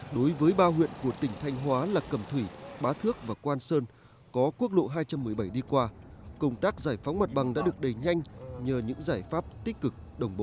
đối với ba huyện của tỉnh thanh hóa là cầm thủy bá thước và quan sơn có quốc lộ hai trăm một mươi bảy đi qua công tác giải phóng mặt bằng đã được đẩy nhanh nhờ những giải pháp tích cực đồng bộ